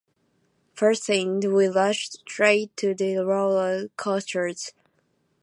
First thing, we rushed straight to the roller coasters.